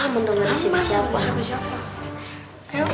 dot dot dot buka dot buka dot